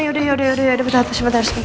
yaudah yaudah yaudah sebentar sebentar